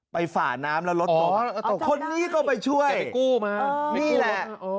ไปฝ่าน้ำแล้วรถตกอ๋อคนนี้ก็ไปช่วยแต่ไม่กู้มานี่แหละอ๋อ